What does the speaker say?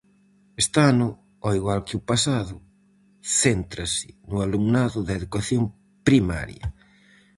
Este ano, ao igual que o pasado, céntrase no alumnado de educación primaria.